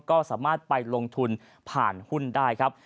ก็สามารถไปลงทุนผ่านหุ้นได้ครับ